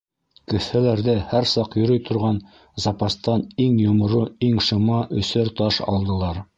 Кеҫәләрҙә һәр саҡ йөрөй торған запастан иң йомро, иң шыма өсәр таш алдылар.